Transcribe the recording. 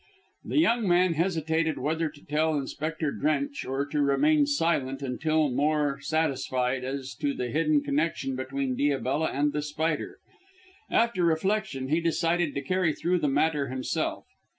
The young man hesitated whether to tell Inspector Drench or to remain silent until more satisfied as to the hidden connection between Diabella and The Spider. After reflection, he decided to carry through the matter himself.